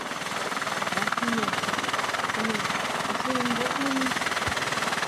— Ә һинең... һинең... әсәйең юҡмы ни?